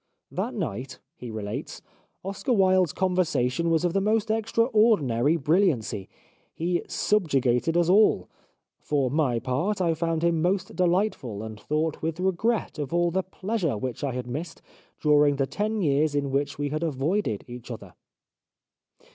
" That night," he relates, "Oscar Wilde's conversation was of the most extraordinary brilliancy. He subju gated us all. For my part I found him most delightful, and thought with regret of all the pleasure which I had missed during the ten years in which we had avoided each other."